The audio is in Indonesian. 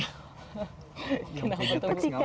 yang punya teks gak buka